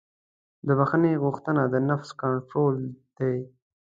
د بښنې غوښتنه د نفس کنټرول دی.